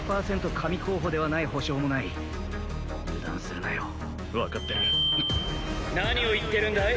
神候補ではない保証もない油断するなよ分かってる何を言ってるんだい？